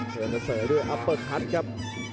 เตรียมเทศด้วยอัปเปอร์คัทครับ